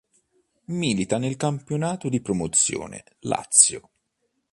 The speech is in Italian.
Milita nel campionato di Promozione Lazio.